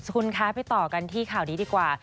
คุณคะไปต่อกันที่ข่าวนี้ดีกว่า